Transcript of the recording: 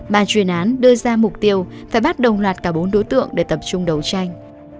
bàn chuyên án đưa ra mục tiêu phải bắt đồng loạt cả bốn đối tượng để tập trung đấu tranh